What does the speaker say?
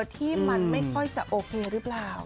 ที่มันไม่ค่อยจะโอเคหรือเปล่า